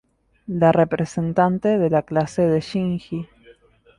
La representante de la clase de Shinji.